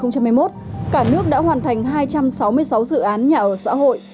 cả nước đã hoàn thành hai trăm sáu mươi sáu dự án nhà ở xã hội